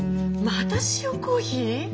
また塩コーヒー？